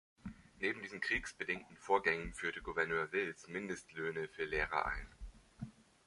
Neben diesen kriegsbedingten Vorgängen führte Gouverneur Wills Mindestlöhne für Lehrer ein.